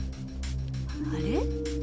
あれ？